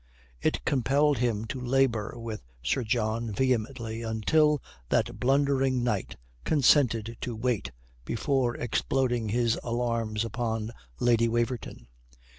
It compelled him to labour with Sir John vehemently until that blundering knight consented to wait before exploding his alarms upon Lady Waverton.